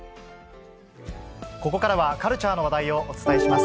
ここからはカルチャーの話題をお伝えします。